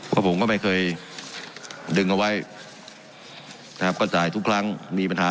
เพราะผมก็ไม่เคยดึงเอาไว้นะครับก็จ่ายทุกครั้งมีปัญหา